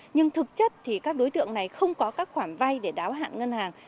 nhưng thực chất thì các đối tượng này không có các khoản vay để đáo hạn ngân hàng